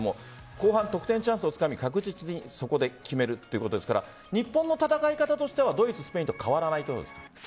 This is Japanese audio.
後半、得点チャンスをつかみ確実にそこで決めるということですから日本の戦い方としてはドイツ、スペインと変わらないということですか？